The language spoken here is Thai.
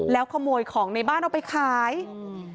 แล้วขโมยของในบ้านเอาไปขายอืม